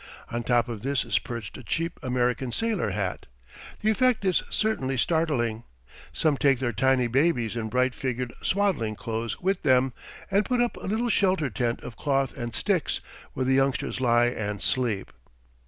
On top of this is perched a cheap American sailor hat. The effect is certainly startling. Some take their tiny babies in bright figured swaddling clothes with them, and put up a little shelter tent of cloth and sticks, where the youngsters lie and sleep.